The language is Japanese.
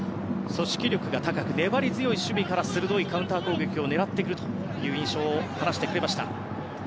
組織力が高く、粘り強い守備から鋭いカウンター攻撃を狙ってくるという印象を話してくれました。